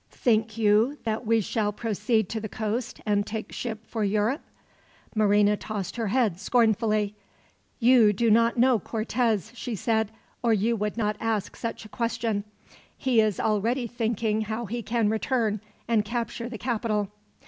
"Think you that we shall proceed to the coast, and take ship for Europe?" Marina tossed her head scornfully. "You do not know Cortez," she said, "or you would not ask such a question. He is already thinking how he can return, and capture the capital."